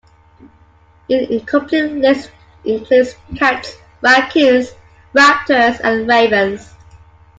An incomplete list includes cats, raccoons, raptors and ravens.